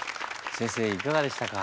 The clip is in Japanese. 先生いかがでしたか？